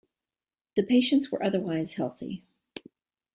The patients were otherwise healthy.